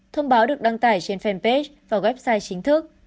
thông báo được đăng tải trên fanpage và website chính thức